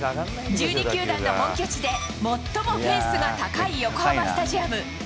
１２球団の本拠地で最もフェンスが高い横浜スタジアム。